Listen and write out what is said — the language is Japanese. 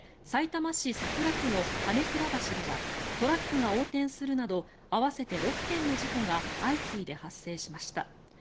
さいたま市桜区の羽根倉橋ではトラックが横転するなど合わせて６件の事故が相次いで発生しました。